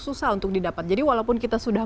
susah untuk didapat jadi walaupun kita sudah